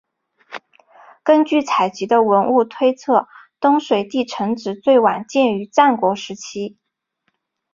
根据采集到的文物推测东水地城址最晚建于战国时期。